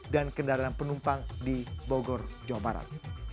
dan kendaraan penumpang di bogor jawa barat